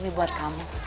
ini buat kamu